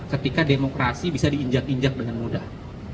ketika demokrasi bisa diinjak injak dengan mudah